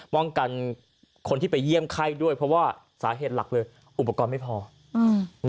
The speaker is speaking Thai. คนที่ไปเยี่ยมไข้ด้วยเพราะว่าสาเหตุหลักเลยอุปกรณ์ไม่พออืม